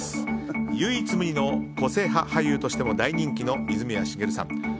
唯一無二の個性派俳優として大人気の泉谷しげるさん。